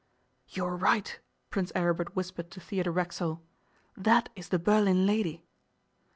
'You were right,' Prince Aribert whispered to Theodore Racksole; 'that is the Berlin lady.